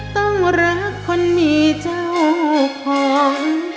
ต้องรักคนมีเจ้าของ